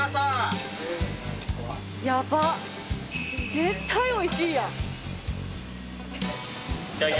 絶対おいしいやん！